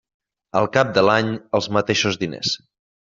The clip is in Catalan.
Al cap de l'any, els mateixos diners.